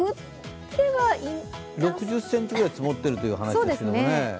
６０ｃｍくらい積もってるという話ですが。